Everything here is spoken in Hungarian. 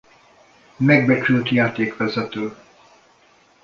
Megbecsült játékvezető.